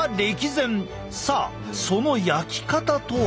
さあその焼き方とは？